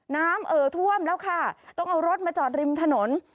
เอ่อท่วมแล้วค่ะต้องเอารถมาจอดริมถนน